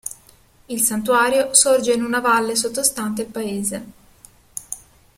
Il santuario sorge in una valle sottostante il paese.